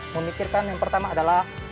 memikirkan yang pertama adalah